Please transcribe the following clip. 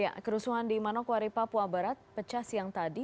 ya kerusuhan di manokwari papua barat pecah siang tadi